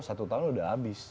satu tahun udah habis